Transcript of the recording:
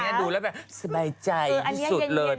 ดูแล้วแบบสบายใจที่สุดเลย